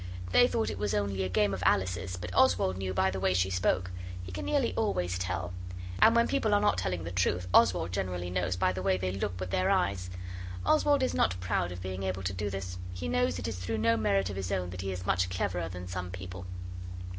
They thought it was only a game of Alice's but Oswald knew by the way she spoke. He can nearly always tell. And when people are not telling the truth Oswald generally knows by the way they look with their eyes. Oswald is not proud of being able to do this. He knows it is through no merit of his own that he is much cleverer than some people.